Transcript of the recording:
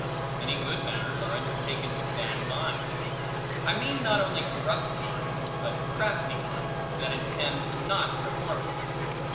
Many good matters, are undertaken with bad minds; I mean not only corrupt minds, but crafty minds, that intend not performance.